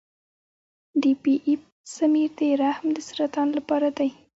د پی ایپ سمیر د رحم د سرطان لپاره دی.